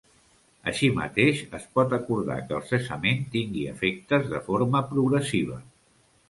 Així mateix, es pot acordar que el cessament tingui efectes de forma progressiva.